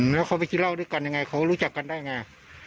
แล้วเขาไปกินเหล้าด้วยกันยังไงเขารู้จักกันได้ไง